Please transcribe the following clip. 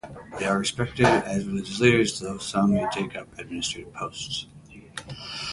They are respected as religious leaders, though some may take up administrative posts.